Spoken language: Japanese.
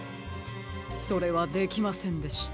それはできませんでした。